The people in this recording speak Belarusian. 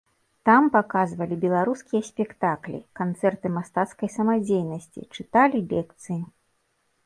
Там паказвалі беларускія спектаклі, канцэрты мастацкай самадзейнасці, чыталі лекцыі.